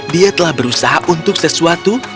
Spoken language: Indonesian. dengan hidup bry ai berpuru